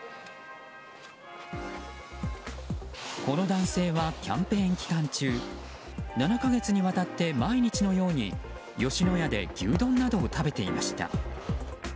この男性は、キャンペーン期間中７か月にわたって毎日のように吉野家で牛丼などを食べていました。